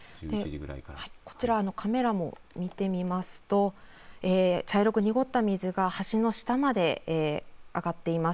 こちら、カメラも見てみますと茶色く濁った水が橋の下まで上がっています。